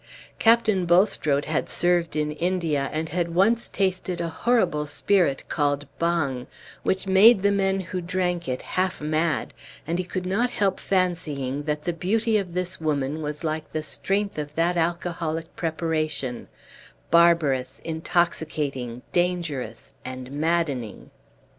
Captain Bulstrode had served in India, and had once tasted a horrible spirit called bang, which made the men who drank it half mad; and he could not help fancying that the beauty of this woman was like the strength of that alcoholic preparation barbarous, intoxicating, dangerous, and maddening.